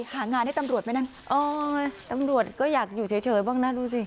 หางานให้ตำรวจไหมนั่นอ๋อตำรวจก็อยากอยู่เฉยบ้างนะดูสิ